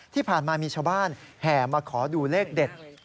ที่ผ่านมามีชาวบ้านแห่มาขอดูเลขเด็ด